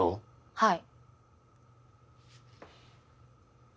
はい。